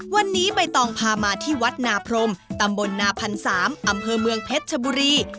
วันนี้ใบตองพามาที่วัดนาพรมตำบลนาพันธ์๓อำเภอเมืองเพชรชบุรี